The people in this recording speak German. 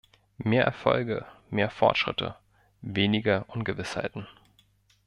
Mehr Erfolge, mehr Fortschritte, weniger Ungewissheiten.